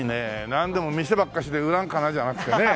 なんでも店ばっかしで売ろうかなじゃなくてね。